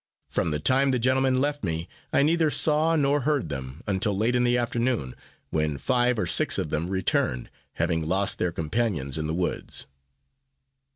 From the time the gentlemen left me, I neither saw nor heard them, until late in the afternoon, when five or six of them returned, having lost their companions in the woods.